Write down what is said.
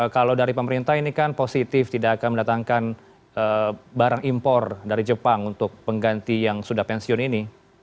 kalau dari pemerintah ini kan positif tidak akan mendatangkan barang impor dari jepang untuk pengganti yang sudah pensiun ini